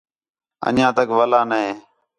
انڄیاں تک ولا نے